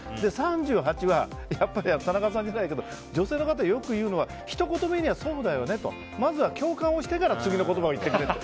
３８は、やっぱり女性の方がよく言うのはひと言目には、そうだよねとまずは共感をしてから次の言葉を言ってくれと。